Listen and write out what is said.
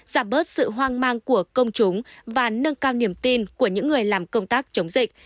giảm bớt sự hoang mang của công chúng và nâng cao niềm tin của những người làm công tác chống dịch